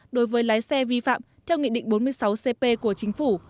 đối với lái xe vi phạm theo nghị định bốn mươi sáu cp của chính phủ